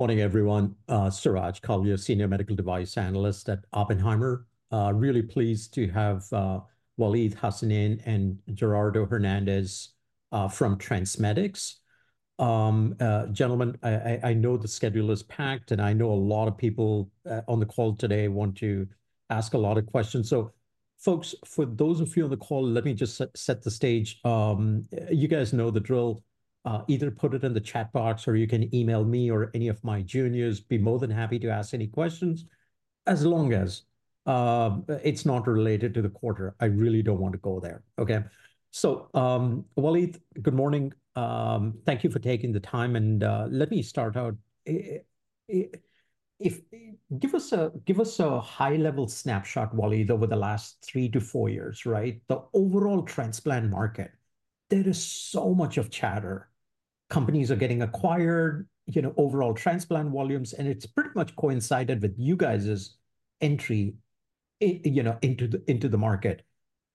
Morning, everyone. Suraj Kalia, Senior Medical Device Analyst at Oppenheimer. Really pleased to have Waleed Hassanein and Gerardo Hernandez from TransMedics. Gentlemen, I know the schedule is packed, and I know a lot of people on the call today want to ask a lot of questions. Folks, for those of you on the call, let me just set the stage. You guys know the drill. Either put it in the chat box, or you can email me, or any of my juniors will be more than happy to ask any questions, as long as it's not related to the quarter. I really do not want to go there. Okay. Waleed, good morning. Thank you for taking the time. Let me start out. Give us a high-level snapshot, Waleed, over the last three to four years, right? The overall transplant market, there is so much chatter. Companies are getting acquired, you know, overall transplant volumes, and it's pretty much coincided with you guys' entry, you know, into the market.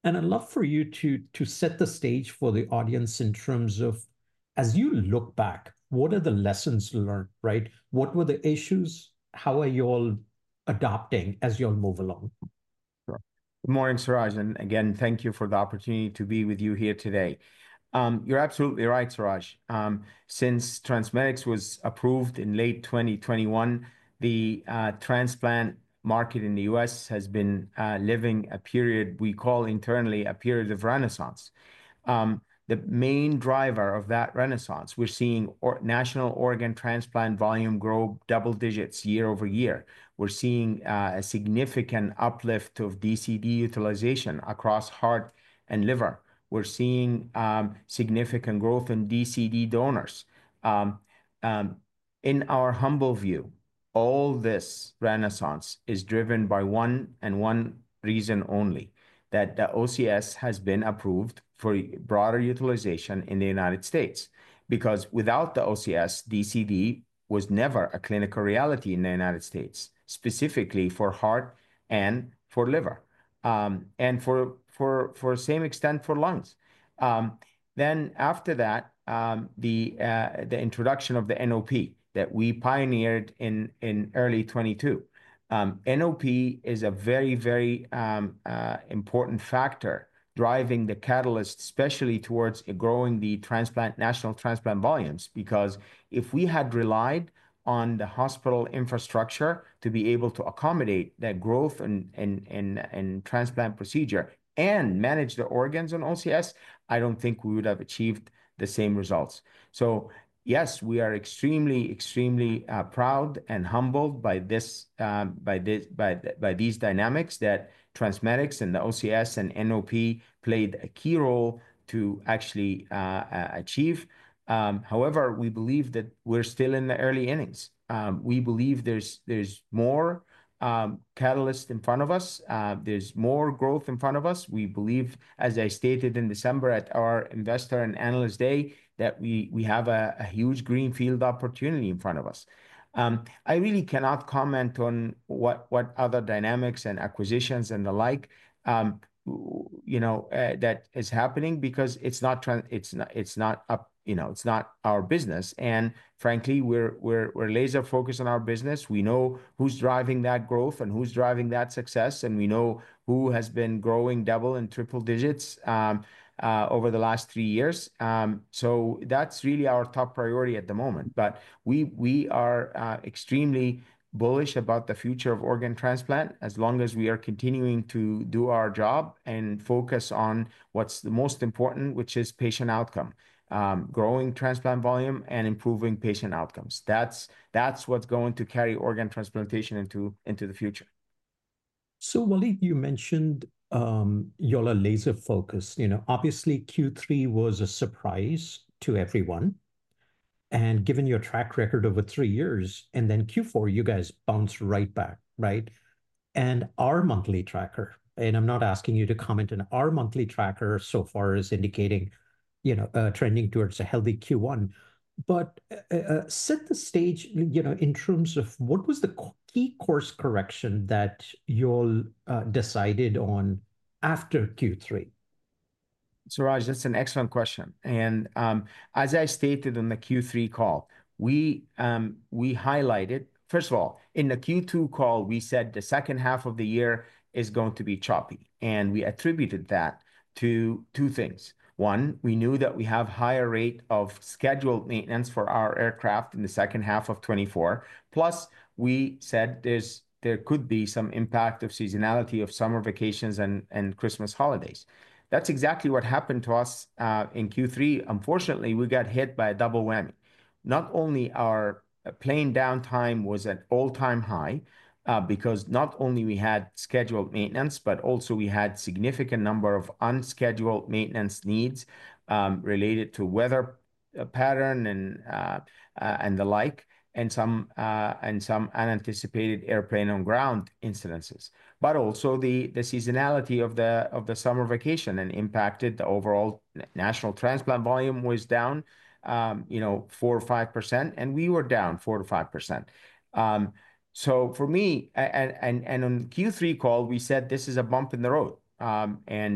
I'd love for you to set the stage for the audience in terms of, as you look back, what are the lessons learned, right? What were the issues? How are you all adapting as you all move along? Good morning, Suraj. Thank you for the opportunity to be with you here today. You're absolutely right, Suraj. Since TransMedics was approved in late 2021, the transplant market in the U.S. has been living a period we call internally a period of renaissance. The main driver of that renaissance, we're seeing national organ transplant volume grow double digits year over year. We're seeing a significant uplift of DCD utilization across heart and liver. We're seeing significant growth in DCD donors. In our humble view, all this renaissance is driven by one and one reason only: that the OCS has been approved for broader utilization in the United States. Because without the OCS, DCD was never a clinical reality in the United States, specifically for heart and for liver, and for the same extent for lungs. After that, the introduction of the NOP that we pioneered in early 2022. NOP is a very, very important factor driving the catalyst, especially towards growing the national transplant volumes. Because if we had relied on the hospital infrastructure to be able to accommodate that growth in transplant procedure and manage the organs on OCS, I don't think we would have achieved the same results. Yes, we are extremely, extremely proud and humbled by these dynamics that TransMedics and the OCS and NOP played a key role to actually achieve. However, we believe that we're still in the early innings. We believe there's more catalyst in front of us. There's more growth in front of us. We believe, as I stated in December at our Investor and Analyst Day, that we have a huge greenfield opportunity in front of us. I really cannot comment on what other dynamics and acquisitions and the like, you know, that is happening because it's not up, you know, it's not our business. Frankly, we're laser-focused on our business. We know who's driving that growth and who's driving that success. We know who has been growing double and triple digits over the last three years. That's really our top priority at the moment. We are extremely bullish about the future of organ transplant as long as we are continuing to do our job and focus on what's the most important, which is patient outcome: growing transplant volume and improving patient outcomes. That's what's going to carry organ transplantation into the future. Waleed, you mentioned you're laser-focused. You know, obviously, Q3 was a surprise to everyone. And given your track record over three years, and then Q4, you guys bounced right back, right? And our monthly tracker, and I'm not asking you to comment on our monthly tracker so far as indicating, you know, trending towards a healthy Q1. But set the stage, you know, in terms of what was the key course correction that you all decided on after Q3? Suraj, that's an excellent question. As I stated on the Q3 call, we highlighted, first of all, in the Q2 call, we said the second half of the year is going to be choppy. We attributed that to two things. One, we knew that we have a higher rate of scheduled maintenance for our aircraft in the second half of 2024. Plus, we said there could be some impact of seasonality of summer vacations and Christmas holidays. That's exactly what happened to us in Q3. Unfortunately, we got hit by a double whammy. Not only was our plane downtime at an all-time high because not only did we have scheduled maintenance, but also we had a significant number of unscheduled maintenance needs related to weather patterns and the like, and some unanticipated airplane-on-ground incidences. Also, the seasonality of the summer vacation impacted the overall national transplant volume; it was down, you know, 4% or 5%. We were down 4% or 5%. For me, and on the Q3 call, we said, "This is a bump in the road.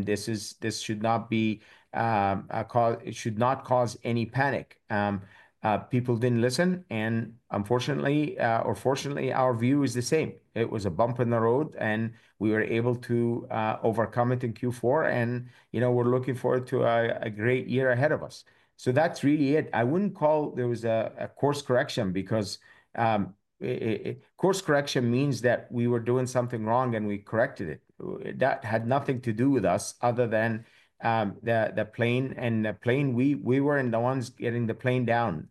This should not cause any panic." People did not listen. Unfortunately, or fortunately, our view is the same. It was a bump in the road, and we were able to overcome it in Q4. You know, we are looking forward to a great year ahead of us. That is really it. I would not call there was a course correction because course correction means that we were doing something wrong, and we corrected it. That had nothing to do with us other than the plane. The plane, we were the ones getting the plane down.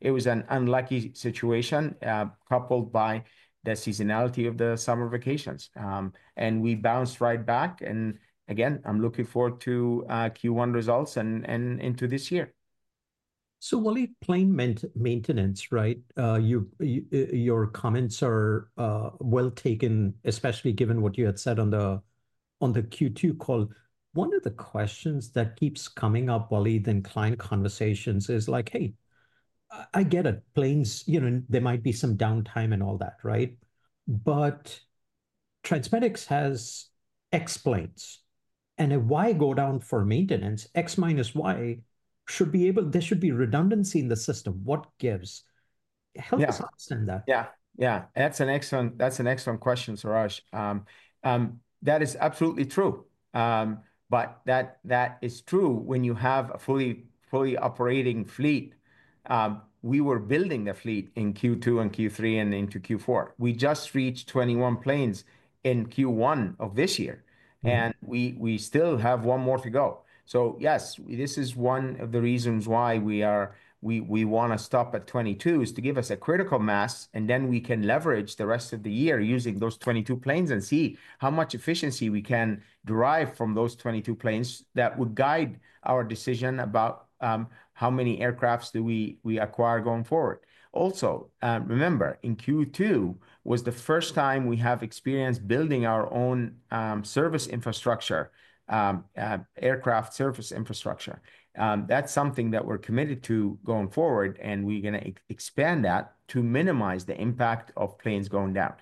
It was an unlucky situation coupled by the seasonality of the summer vacations. We bounced right back. Again, I'm looking forward to Q1 results and into this year. Waleed, plane maintenance, right? Your comments are well taken, especially given what you had said on the Q2 call. One of the questions that keeps coming up, Waleed, in client conversations is like, "Hey, I get it. Planes, you know, there might be some downtime and all that, right? But TransMedics has X planes. And if Y goes down for maintenance, X minus Y should be able—there should be redundancy in the system. What gives?" Help us understand that. Yeah, yeah. That's an excellent question, Suraj. That is absolutely true. That is true when you have a fully operating fleet. We were building the fleet in Q2 and Q3 and into Q4. We just reached 21 planes in Q1 of this year. We still have one more to go. Yes, this is one of the reasons why we want to stop at 22 is to give us a critical mass, and then we can leverage the rest of the year using those 22 planes and see how much efficiency we can derive from those 22 planes that would guide our decision about how many aircraft do we acquire going forward. Also, remember, in Q2 was the first time we have experience building our own service infrastructure, aircraft service infrastructure. That's something that we're committed to going forward, and we're going to expand that to minimize the impact of planes going down.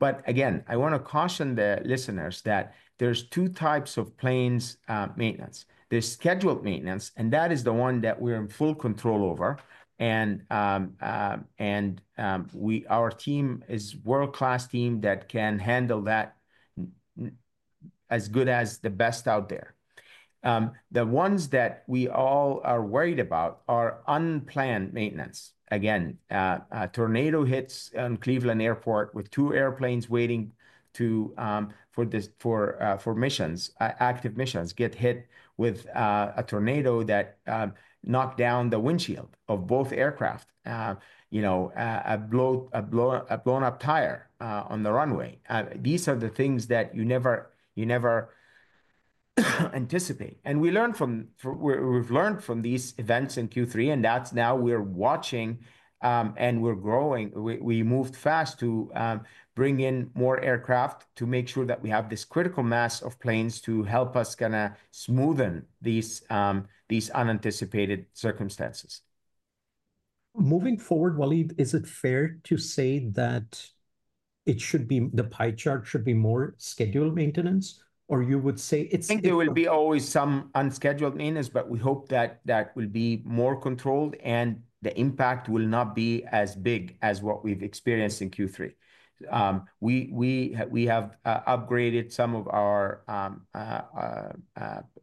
I want to caution the listeners that there's two types of plane maintenance. There's scheduled maintenance, and that is the one that we're in full control over. Our team is a world-class team that can handle that as good as the best out there. The ones that we all are worried about are unplanned maintenance. A tornado hits Cleveland Airport with two airplanes waiting for active missions get hit with a tornado that knocked down the windshield of both aircraft, you know, a blown-up tire on the runway. These are the things that you never anticipate. We learned from—we've learned from these events in Q3, and that's now we're watching and we're growing. We moved fast to bring in more aircraft to make sure that we have this critical mass of planes to help us kind of smoothen these unanticipated circumstances. Moving forward, Waleed, is it fair to say that the pie chart should be more scheduled maintenance, or you would say it's? I think there will be always some unscheduled maintenance, but we hope that that will be more controlled, and the impact will not be as big as what we've experienced in Q3. We have upgraded some of our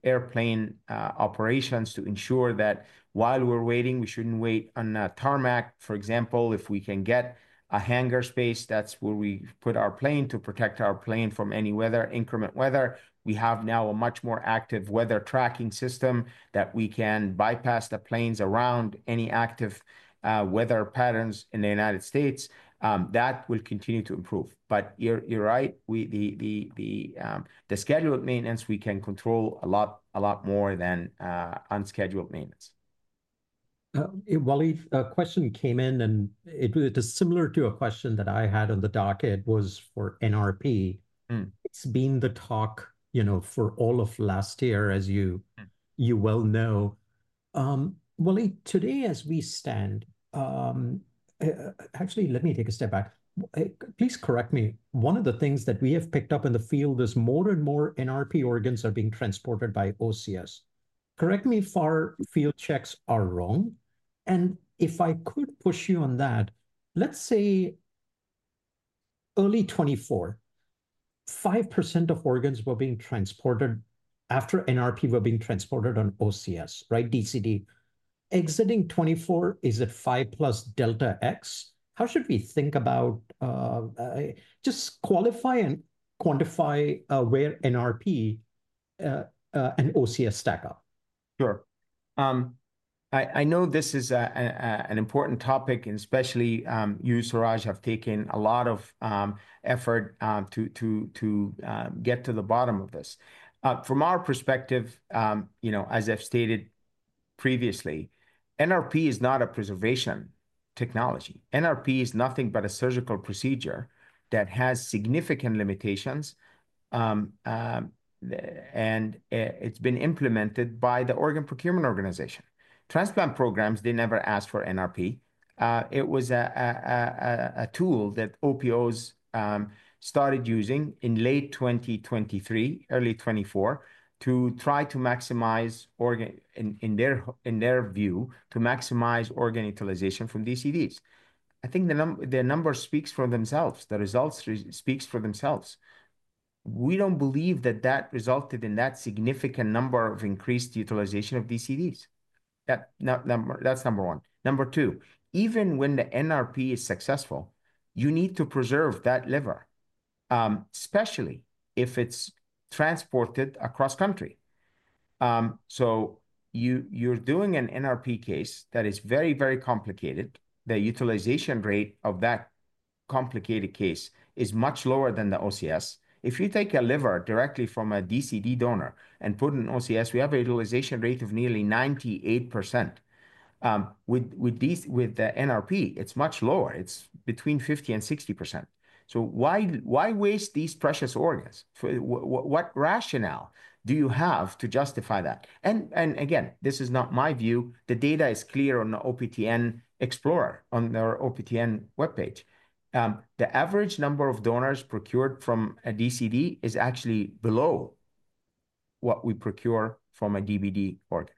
airplane operations to ensure that while we're waiting, we shouldn't wait on tarmac. For example, if we can get a hangar space, that's where we put our plane to protect our plane from any weather, inclement weather. We have now a much more active weather tracking system that we can bypass the planes around any active weather patterns in the United States. That will continue to improve. You're right. The scheduled maintenance, we can control a lot more than unscheduled maintenance. Waleed, a question came in, and it was similar to a question that I had on the docket. It was for NRP. It's been the talk, you know, for all of last year, as you well know. Waleed, today, as we stand—actually, let me take a step back. Please correct me. One of the things that we have picked up in the field is more and more NRP organs are being transported by OCS. Correct me if our field checks are wrong. If I could push you on that, let's say early 2024, 5% of organs were being transported after NRP were being transported on OCS, right? DCD. Exiting 2024, is it 5% plus delta X? How should we think about—just qualify and quantify where NRP and OCS stack up? Sure. I know this is an important topic, and especially you, Suraj, have taken a lot of effort to get to the bottom of this. From our perspective, you know, as I've stated previously, NRP is not a preservation technology. NRP is nothing but a surgical procedure that has significant limitations, and it's been implemented by the Organ Procurement Organization. Transplant programs, they never asked for NRP. It was a tool that OPOs started using in late 2023, early 2024, to try to maximize, in their view, to maximize organ utilization from DCDs. I think the numbers speak for themselves. The results speak for themselves. We don't believe that that resulted in that significant number of increased utilization of DCDs. That's number one. Number two, even when the NRP is successful, you need to preserve that liver, especially if it's transported across country. You're doing an NRP case that is very, very complicated. The utilization rate of that complicated case is much lower than the OCS. If you take a liver directly from a DCD donor and put it in OCS, we have a utilization rate of nearly 98%. With the NRP, it's much lower. It's between 50%-60%. Why waste these precious organs? What rationale do you have to justify that? Again, this is not my view. The data is clear on the OPTN Explorer, on their OPTN webpage. The average number of donors procured from a DCD is actually below what we procure from a DBD organ.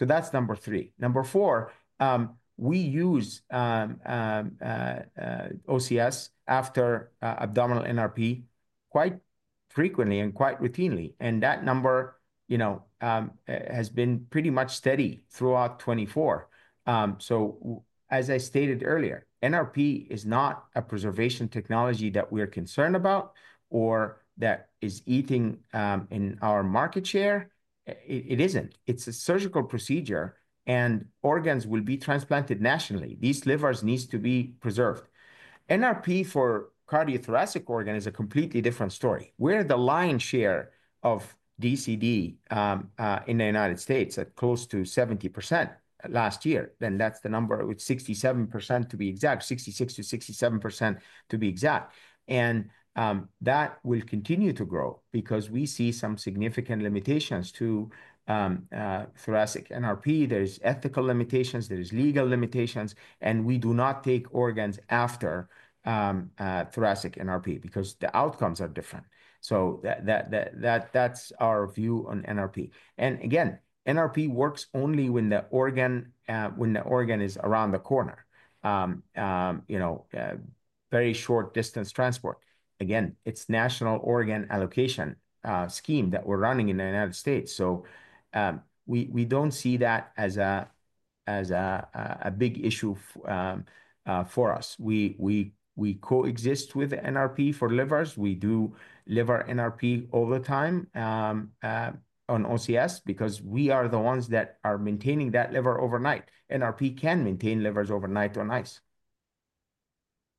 That's number three. Number four, we use OCS after abdominal NRP quite frequently and quite routinely. That number, you know, has been pretty much steady throughout 2024. As I stated earlier, NRP is not a preservation technology that we're concerned about or that is eating in our market share. It isn't. It's a surgical procedure, and organs will be transplanted nationally. These livers need to be preserved. NRP for cardiothoracic organ is a completely different story. We're the lion's share of DCD in the United States at close to 70% last year. That's the number, with 67% to be exact, 66%-67% to be exact. That will continue to grow because we see some significant limitations to thoracic NRP. There are ethical limitations. There are legal limitations. We do not take organs after thoracic NRP because the outcomes are different. That's our view on NRP. Again, NRP works only when the organ is around the corner, you know, very short-distance transport. Again, it's a national organ allocation scheme that we're running in the United States. We don't see that as a big issue for us. We coexist with NRP for livers. We do liver NRP all the time on OCS because we are the ones that are maintaining that liver overnight. NRP can maintain livers overnight on ice.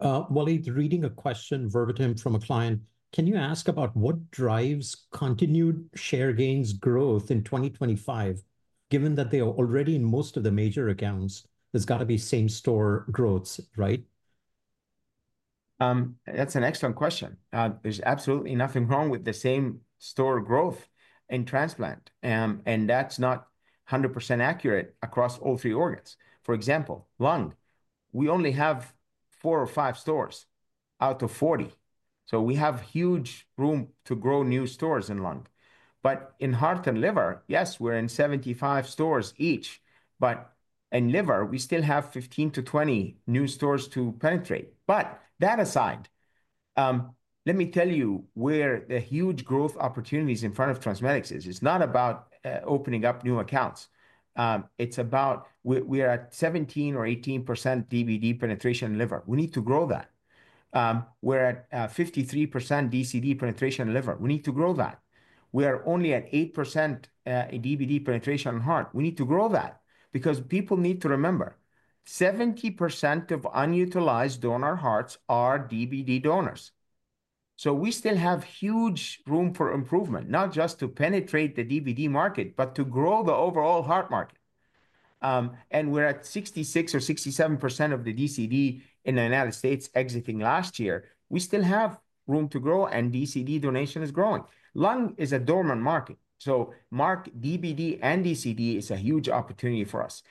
Waleed, reading a question verbatim from a client, can you ask about what drives continued share gains growth in 2025, given that they are already in most of the major accounts? There's got to be same-store growths, right? That's an excellent question. There's absolutely nothing wrong with the same-store growth in transplant. That's not 100% accurate across all three organs. For example, lung, we only have four or five stores out of 40. We have huge room to grow new stores in lung. In heart and liver, yes, we're in 75 stores each. In liver, we still have 15-20 new stores to penetrate. That aside, let me tell you where the huge growth opportunities in front of TransMedics are. It's not about opening up new accounts. We're at 17% or 18% DBD penetration in liver. We need to grow that. We're at 53% DCD penetration in liver. We need to grow that. We are only at 8% DBD penetration in heart. We need to grow that because people need to remember 70% of unutilized donor hearts are DBD donors. We still have huge room for improvement, not just to penetrate the DBD market, but to grow the overall heart market. We're at 66% or 67% of the DCD in the United States exiting last year. We still have room to grow, and DCD donation is growing. Lung is a dormant market. DBD and DCD is a huge opportunity for us.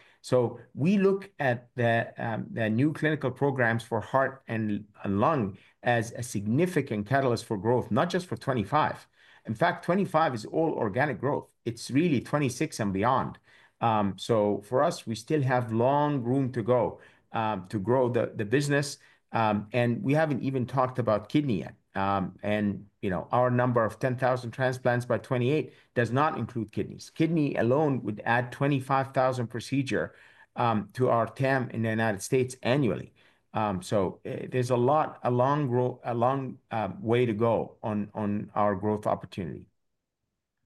We look at the new clinical programs for heart and lung as a significant catalyst for growth, not just for 2025. In fact, 2025 is all organic growth. It's really 2026 and beyond. For us, we still have long room to go to grow the business. We haven't even talked about kidney yet. You know, our number of 10,000 transplants by 2028 does not include kidneys. Kidney alone would add 25,000 procedures to our TAM in the United States annually. There is a long way to go on our growth opportunity.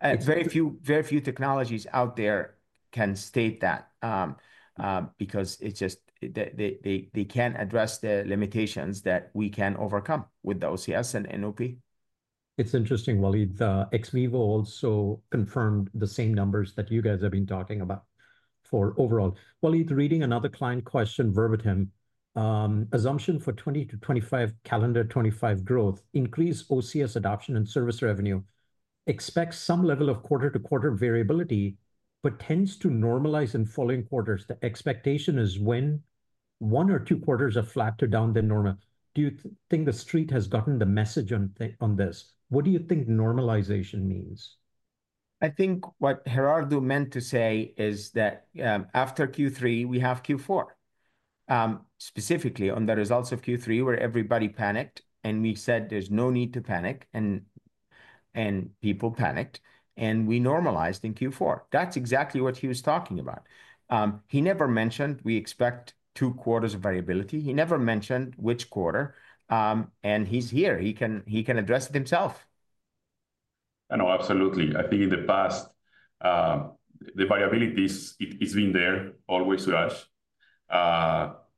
Very few technologies out there can state that because it is just they cannot address the limitations that we can overcome with the OCS and NOP. It's interesting, Waleed. XVIVO also confirmed the same numbers that you guys have been talking about for overall. Waleed, reading another client question verbatim. Assumption for 2020 to 2025 calendar 2025 growth increase OCS adoption and service revenue. Expect some level of quarter-to-quarter variability, but tends to normalize in following quarters. The expectation is when one or two quarters are flat or down than normal. Do you think the street has gotten the message on this? What do you think normalization means? I think what Gerardo meant to say is that after Q3, we have Q4. Specifically on the results of Q3, where everybody panicked, and we said there's no need to panic, and people panicked, and we normalized in Q4. That's exactly what he was talking about. He never mentioned we expect two quarters of variability. He never mentioned which quarter. He is here. He can address it himself. I know, absolutely. I think in the past, the variability has been there always, Suraj.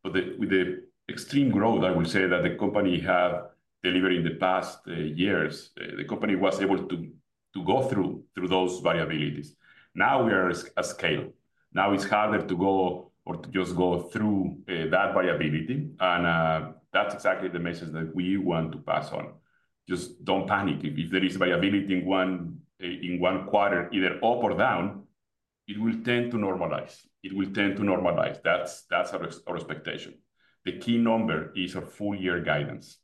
With the extreme growth, I would say that the company has delivered in the past years, the company was able to go through those variabilities. Now we are at scale. Now it's harder to go or to just go through that variability. That's exactly the message that we want to pass on. Just don't panic. If there is variability in one quarter, either up or down, it will tend to normalize. It will tend to normalize. That's our expectation. The key number is our full-year guidance.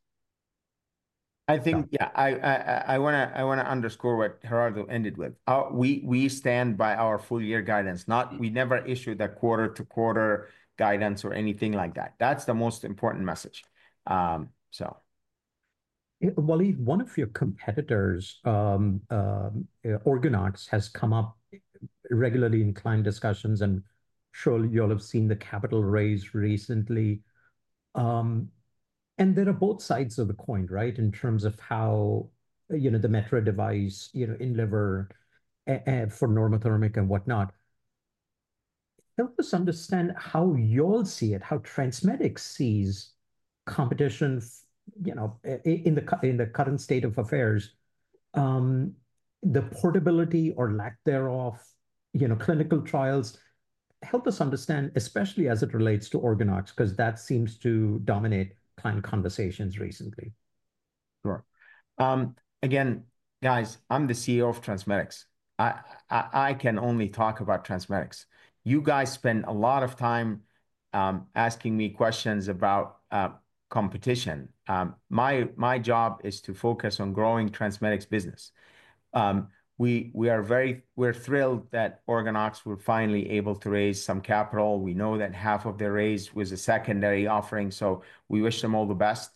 I think, yeah, I want to underscore what Gerardo ended with. We stand by our full-year guidance. We never issue the quarter-to-quarter guidance or anything like that. That's the most important message. Waleed, one of your competitors, OrganOx, has come up regularly in client discussions, and surely you'll have seen the capital raise recently. There are both sides of the coin, right, in terms of how, you know, the Metra device, you know, in liver for normothermic and whatnot. Help us understand how you all see it, how TransMedics sees competition, you know, in the current state of affairs, the portability or lack thereof, you know, clinical trials. Help us understand, especially as it relates to OrganOx, because that seems to dominate client conversations recently. Sure. Again, guys, I'm the CEO of TransMedics. I can only talk about TransMedics. You guys spend a lot of time asking me questions about competition. My job is to focus on growing TransMedics business. We are very thrilled that OrganOx were finally able to raise some capital. We know that half of their raise was a secondary offering, so we wish them all the best.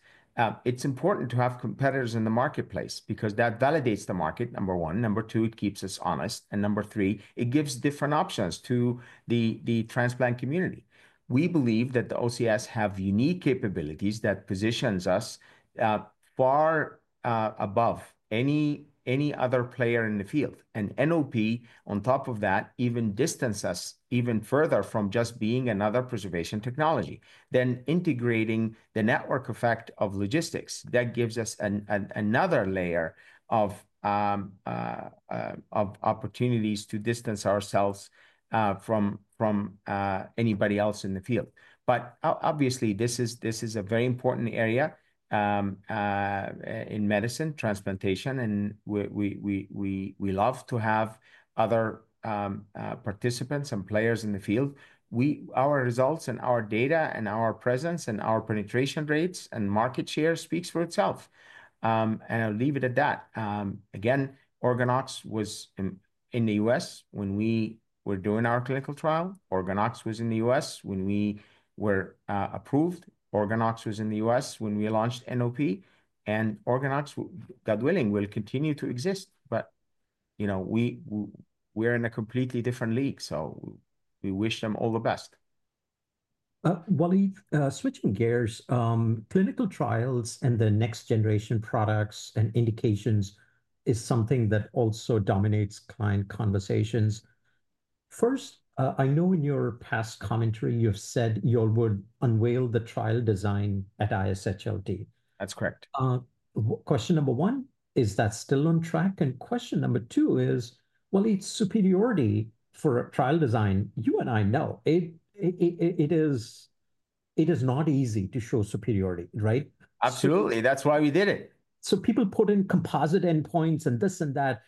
It's important to have competitors in the marketplace because that validates the market, number one. Number two, it keeps us honest. Number three, it gives different options to the transplant community. We believe that the OCS have unique capabilities that positions us far above any other player in the field. NOP, on top of that, even distances us even further from just being another preservation technology. Integrating the network effect of logistics gives us another layer of opportunities to distance ourselves from anybody else in the field. Obviously, this is a very important area in medicine, transplantation, and we love to have other participants and players in the field. Our results and our data and our presence and our penetration rates and market share speaks for itself. I'll leave it at that. Again, OrganOx was in the U.S. when we were doing our clinical trial. OrganOx was in the U.S. when we were approved. OrganOx was in the U.S. when we launched NOP. OrganOx, God willing, will continue to exist. You know, we're in a completely different league, so we wish them all the best. Waleed, switching gears, clinical trials and the next-generation products and indications is something that also dominates client conversations. First, I know in your past commentary, you've said you all would unveil the trial design at ISHLT. That's correct. Question number one, is that still on track? Question number two is, Waleed, superiority for trial design, you and I know it is not easy to show superiority, right? Absolutely. That's why we did it. People put in composite endpoints and this and that.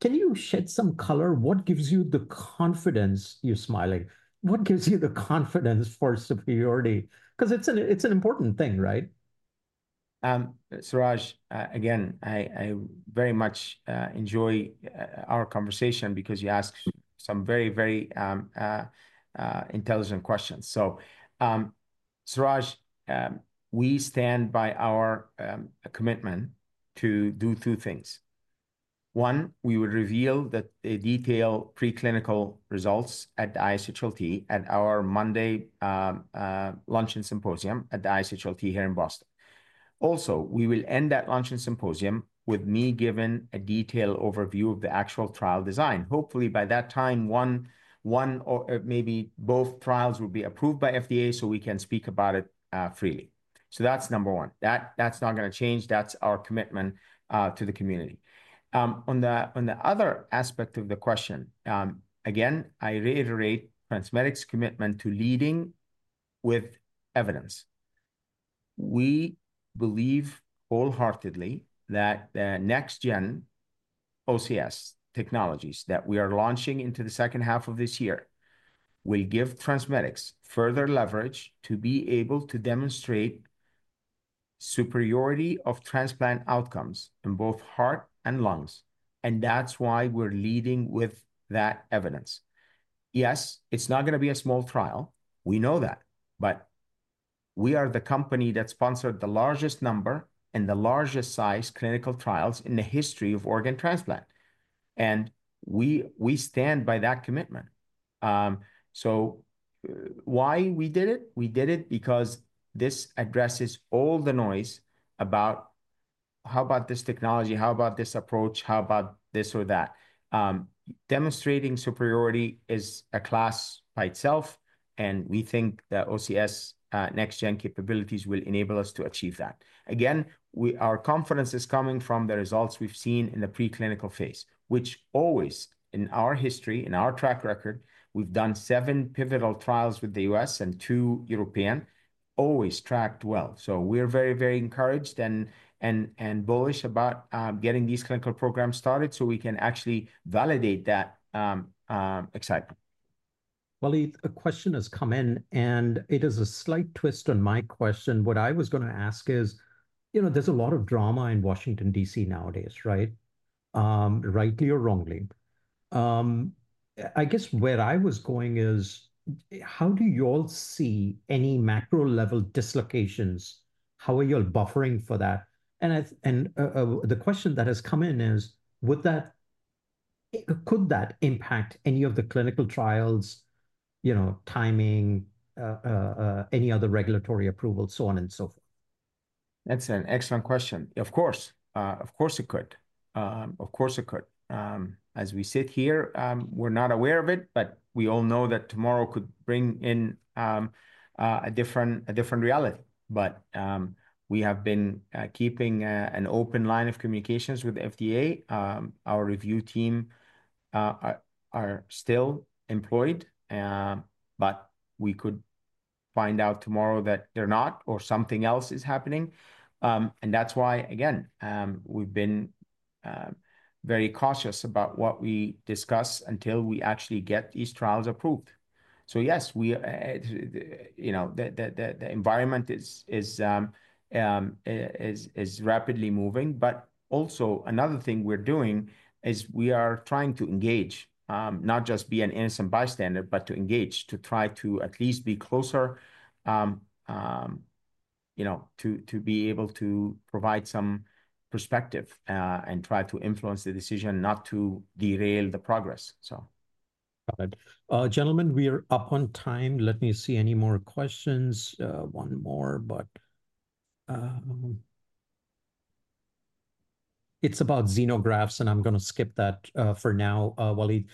Can you shed some color? What gives you the confidence? You're smiling. What gives you the confidence for superiority? Because it's an important thing, right? Suraj, again, I very much enjoy our conversation because you ask some very, very intelligent questions. Suraj, we stand by our commitment to do two things. One, we will reveal the detailed preclinical results at ISHLT at our Monday luncheon symposium at the ISHLT here in Boston. Also, we will end that luncheon symposium with me giving a detailed overview of the actual trial design. Hopefully, by that time, one or maybe both trials will be approved by FDA so we can speak about it freely. That is number one. That is not going to change. That is our commitment to the community. On the other aspect of the question, again, I reiterate TransMedics' commitment to leading with evidence. We believe wholeheartedly that the next-gen OCS technologies that we are launching into the second half of this year will give TransMedics further leverage to be able to demonstrate superiority of transplant outcomes in both heart and lungs. That is why we are leading with that evidence. Yes, it is not going to be a small trial. We know that. We are the company that sponsored the largest number and the largest size clinical trials in the history of organ transplant. We stand by that commitment. Why did we do it? We did it because this addresses all the noise about how about this technology, how about this approach, how about this or that. Demonstrating superiority is a class by itself. We think the OCS next-gen capabilities will enable us to achieve that. Again, our confidence is coming from the results we've seen in the preclinical phase, which always in our history, in our track record, we've done seven pivotal trials with the US and two European, always tracked well. We are very, very encouraged and bullish about getting these clinical programs started so we can actually validate that excitement. Waleed, a question has come in, and it is a slight twist on my question. What I was going to ask is, you know, there's a lot of drama in Washington, DC nowadays, right? Rightly or wrongly. I guess where I was going is, how do you all see any macro-level dislocations? How are you all buffering for that? The question that has come in is, could that impact any of the clinical trials, you know, timing, any other regulatory approval, so on and so forth? That's an excellent question. Of course. Of course it could. As we sit here, we're not aware of it, but we all know that tomorrow could bring in a different reality. We have been keeping an open line of communications with the FDA. Our review team are still employed, but we could find out tomorrow that they're not or something else is happening. That's why, again, we've been very cautious about what we discuss until we actually get these trials approved. Yes, you know, the environment is rapidly moving. Also, another thing we're doing is we are trying to engage, not just be an innocent bystander, but to engage, to try to at least be closer, you know, to be able to provide some perspective and try to influence the decision not to derail the progress. Got it. Gentlemen, we are up on time. Let me see any more questions. One more, but it's about xenografts, and I'm going to skip that for now, Waleed.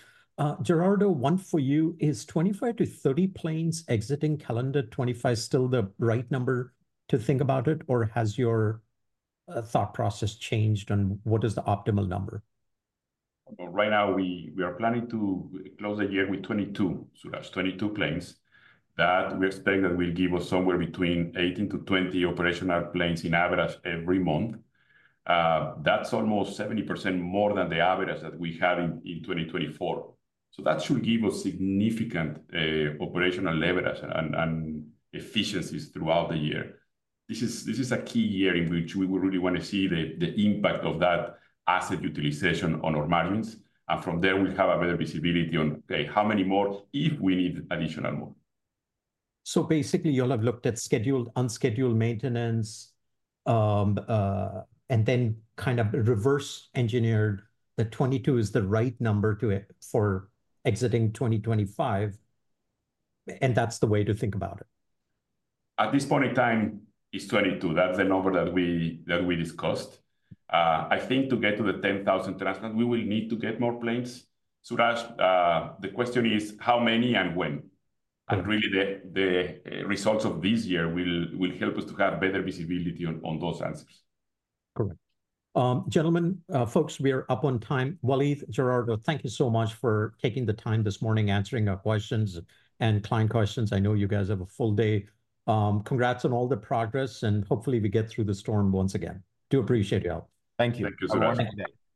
Gerardo, one for you is 25-30 planes exiting calendar. Twenty-five still the right number to think about it, or has your thought process changed on what is the optimal number? Right now, we are planning to close the year with 22, Suraj, 22 planes that we expect that will give us somewhere between 18-20 operational planes in average every month. That is almost 70% more than the average that we have in 2024. That should give us significant operational leverage and efficiencies throughout the year. This is a key year in which we really want to see the impact of that asset utilization on our margins. From there, we have a better visibility on how many more if we need additional more. Basically, you'll have looked at scheduled, unscheduled maintenance, and then kind of reverse engineered the 22 is the right number for exiting 2025. That's the way to think about it. At this point in time, it's 22. That's the number that we discussed. I think to get to the 10,000 transplants, we will need to get more planes. Suraj, the question is how many and when. Really, the results of this year will help us to have better visibility on those answers. Correct. Gentlemen, folks, we are up on time. Waleed, Gerardo, thank you so much for taking the time this morning answering our questions and client questions. I know you guys have a full day. Congrats on all the progress, and hopefully, we get through the storm once again. Do appreciate your help. Thank you. Thank you, Suraj. Take care.